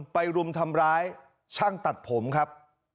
รุมทำร้ายช่างตัดผมครับ